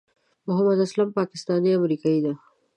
محمد اسلام پاکستانی امریکایی دی.